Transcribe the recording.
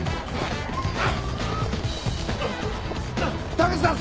田口さん